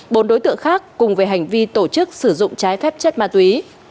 bốn đối tượng khác cùng về hành vi tổ chức sử dụng trái phép chất ma túy